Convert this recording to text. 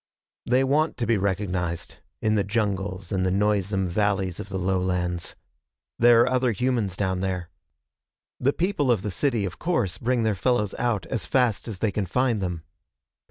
They want to be recognized, in the jungles and the noisesome valleys of the lowlands. There are other humans down there. The people of the city, of course, bring their fellows out as fast as they can find them.